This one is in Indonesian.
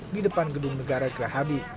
di depan gedung negara gerahadi